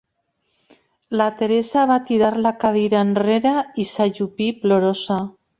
La Teresa va tirar la cadira enrere i s'ajupí, plorosa.